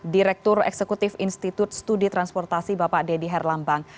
direktur eksekutif institut studi transportasi bapak deddy herlambang